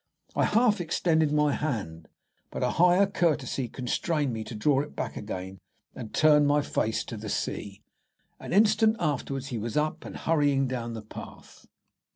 I half extended my hand, but a higher courtesy constrained me to draw it back again and turn my face to the sea. An instant afterwards he was up and hurrying down the path.